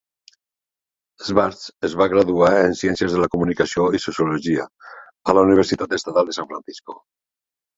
Schwartz es va graduar en Ciències de la Comunicació i Sociologia a la Universitat Estatal de San Francisco.